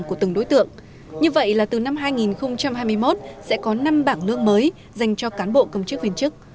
của từng đối tượng như vậy là từ năm hai nghìn hai mươi một sẽ có năm bảng lương mới dành cho cán bộ công chức viên chức